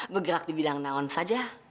bergerak di bidang naon saja